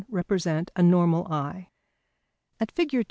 1 represent a normal eye. At Fig.